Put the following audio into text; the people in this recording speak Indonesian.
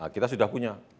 kita sudah punya